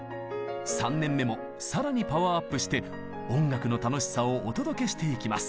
３年目もさらにパワーアップして音楽の楽しさをお届けしていきます。